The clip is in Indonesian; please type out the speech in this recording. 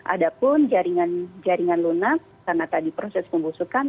adapun jaringan lunak karena tadi proses pembusukan